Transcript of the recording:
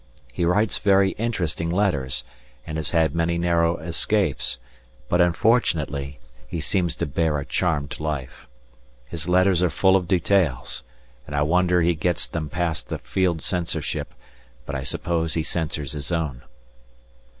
He writes very interesting letters, and has had many narrow escapes, but unfortunately he seems to bear a charmed life. His letters are full of details, and I wonder he gets them past the Field Censorship, but I suppose he censors his own.